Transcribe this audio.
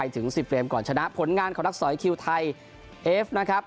ถึง๑๐เกมก่อนชนะผลงานของนักสอยคิวไทยเอฟนะครับ